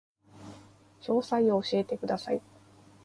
詳細を教えてください